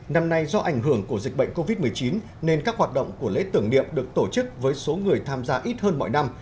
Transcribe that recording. năm nay do ảnh hưởng của dịch bệnh covid một mươi chín nên các hoạt động của lễ tưởng niệm được tổ chức với số người tham gia ít hơn mọi năm